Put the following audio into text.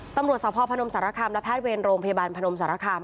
ตำรวจสพพนมสารคามและแพทย์เวรโรงพยาบาลพนมสารคาม